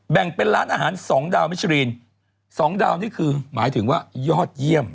แบ่งเป็นร้านอาหารสองดาวมิชรีน๒ดาวนี่คือหมายถึงว่ายอดเยี่ยม